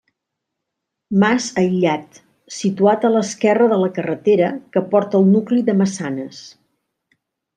Mas aïllat, situat a l'esquerra de la carretera que porta al nucli de Massanes.